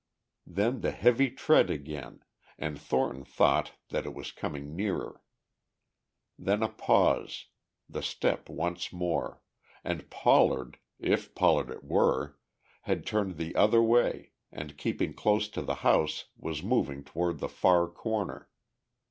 Then the heavy tread again, and Thornton thought that it was coming nearer. Then a pause, the step once more, and Pollard, if Pollard it were, had turned the other way and keeping close to the house was moving toward the far corner.